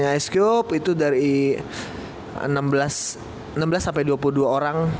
big tiga ice cube itu dari enam belas dua puluh dua orang